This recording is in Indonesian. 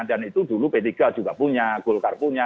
dan itu dulu p tiga juga punya golkar punya